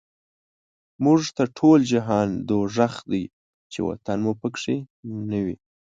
موږ ته ټول جهان دوزخ دی، چی وطن مو په کی نه وی